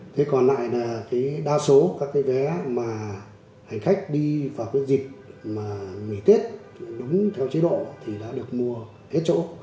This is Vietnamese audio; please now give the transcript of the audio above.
thế còn lại là đa số các cái vé mà hành khách đi vào cái dịp mà nghỉ tết đúng theo chế độ thì đã được mua hết chỗ